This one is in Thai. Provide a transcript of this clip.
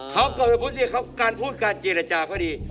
เขากลับไปพูดดีเขาการพูดการเจรจาก็ดี